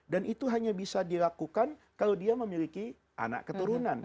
dan itu hanya bisa dilakukan kalau dia memiliki anak keturunan